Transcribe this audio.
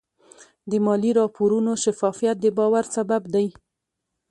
د مالي راپورونو شفافیت د باور سبب دی.